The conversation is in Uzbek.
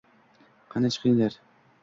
Qani chiqinglar.